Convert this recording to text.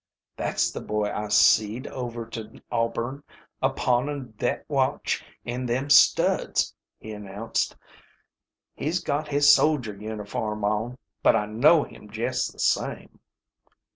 "Thet's the boy I seed over to Auburn, a pawning thet watch an' them studs," he announced. "He's got his sodger uniform on, but I know him jest the same."